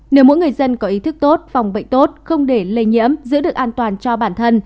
nếu mỗi người dân có ý thức tốt phòng bệnh tốt không để lây nhiễm giữ được an toàn cho bản thân